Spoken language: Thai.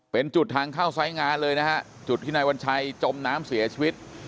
เป็นจุดทางเข้าซ้ายงานเลยนะฮะจุดที่นายวัญชัยจมน้ำเสียชีวิต